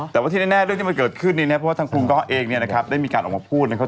แต่ว่าที่แน่เรื่องที่มันเกิดขึ้นเนี่ยนะครับเพราะว่าทางครูก๊อเองเนี่ยนะครับได้มีการออกมาพูดนะครับ